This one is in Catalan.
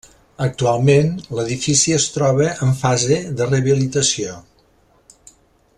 Actualment l'edifici es troba en fase de rehabilitació.